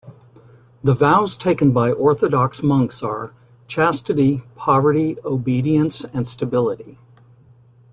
The vows taken by Orthodox monks are: Chastity, poverty, obedience, and stability.